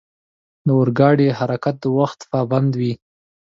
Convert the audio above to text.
د اورګاډي حرکت د وخت پابند وي.